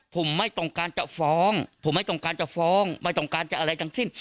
ผมไม่ต้องการจะฟ้องไม่ต้องการจะอะไรจังสิ้น